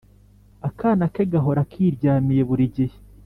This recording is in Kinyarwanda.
Akana ke gahora kiryamiye burigihe